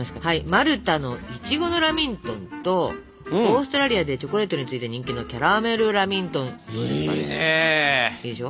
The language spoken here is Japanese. マルタのいちごのラミントンとオーストラリアでチョコレートに次いで人気のキャラメルラミントンはどうですか？